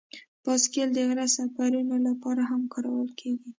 بایسکل د غره سفرونو لپاره هم کارول کېږي.